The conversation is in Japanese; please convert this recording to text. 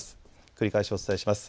繰り返しお伝えします。